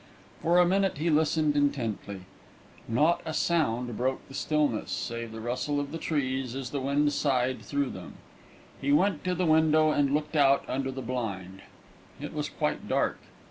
For a minute he listened intently. Not a sound broke the stillness, save the rustle of the trees as the wind sighed through them. He went to the window and looked out under the blind. It was quite dark.